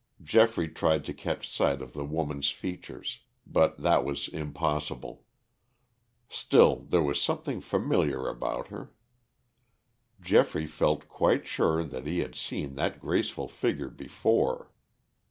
Geoffrey tried to catch sight of the woman's features. But that was impossible. Still, there was something familiar about her. Geoffrey felt quite sure that he had seen that graceful figure before.